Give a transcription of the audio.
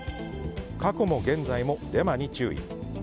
過去も現在もデマに注意。